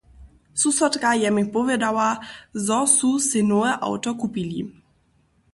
Susodka je mi powědała, zo su sej nowe awto kupili.